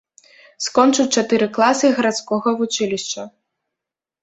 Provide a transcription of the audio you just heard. Скончыў чатыры класы гарадскога вучылішча.